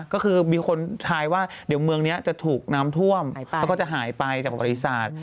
ก็คือมีคนทายว่าเดี๋ยวเมืองนี้จะถูกน้ำท่วมแล้วก็จะหายไปจากประวัติศาสตร์